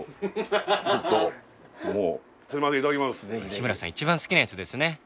日村さん一番好きなやつですね。